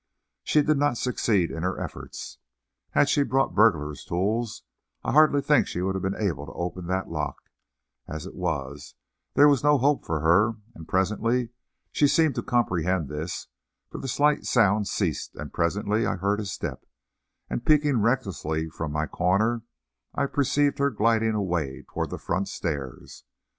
She did not succeed in her efforts. Had she brought burglar's tools I hardly think she would have been able to open that lock; as it was, there was no hope for her, and presently she seemed to comprehend this, for the slight sounds ceased and, presently, I heard a step, and peering recklessly from my corner, I perceived her gliding away toward the front stairs.